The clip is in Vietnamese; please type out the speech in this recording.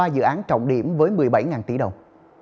ba dự án trọng điểm với một mươi bảy tỷ đồng